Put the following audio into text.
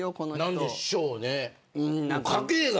なんでしょうね。